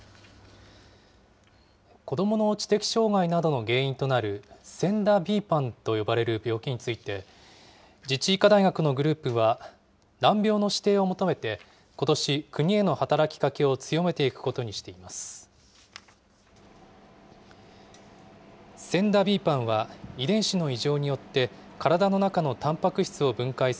子どもの知的障害などの原因となる、ＳＥＮＤＡ／ＢＰＡＮと呼ばれる病気について、自治医科大学のグループは、難病の指定を求めてことし、国への働きかけを強めていくことにしています。